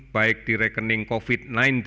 baik di rekening covid sembilan belas